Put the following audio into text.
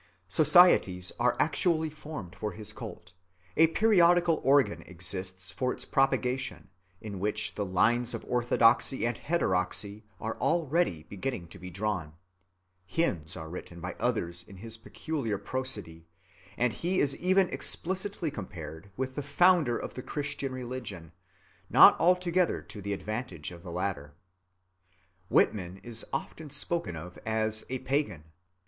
Societies are actually formed for his cult; a periodical organ exists for its propagation, in which the lines of orthodoxy and heterodoxy are already beginning to be drawn;(39) hymns are written by others in his peculiar prosody; and he is even explicitly compared with the founder of the Christian religion, not altogether to the advantage of the latter. Whitman is often spoken of as a "pagan."